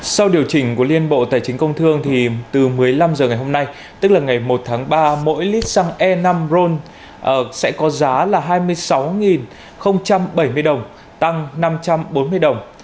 sau điều chỉnh của liên bộ tài chính công thương thì từ một mươi năm h ngày hôm nay tức là ngày một tháng ba mỗi lít xăng e năm ron sẽ có giá là hai mươi sáu bảy mươi đồng tăng năm trăm bốn mươi đồng